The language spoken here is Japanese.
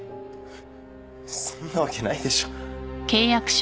フッそんなわけないでしょ。